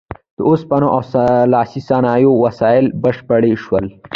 اوسپنې او لاسي صنایعو وسایل بشپړ شول.